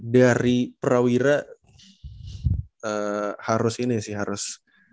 dari prawira harus ini sih harus